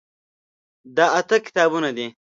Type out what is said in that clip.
دا اته کتابونه دي.